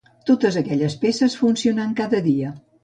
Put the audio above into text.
Totes aquelles peces funcionant cada dia.